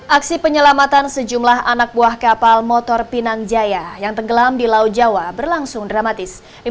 aksi penyelamatan sejumlah anak buah kapal motor pinang jaya yang tenggelam di laut jawa berlangsung dramatis